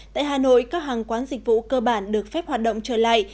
tại hà nội các hàng quán dịch vụ cơ bản được phép hoạt động trở lại